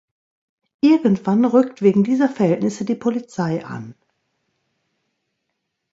Irgendwann rückt wegen dieser Verhältnisse die Polizei an.